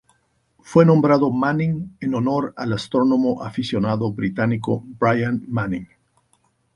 Fue nombrado Manning en honor al astrónomo aficionado británico Brian Manning.